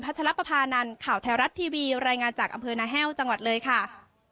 พัชรพพานันข่าวแถวรัฐทีวีรายงานจากอำเผือนอาเฮ่วจังหวัดเลยค่ะ